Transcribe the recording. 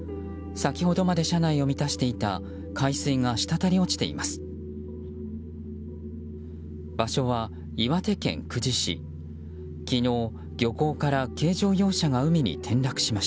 先ほどまで車内を満たしていた海水がしたたり落ちています。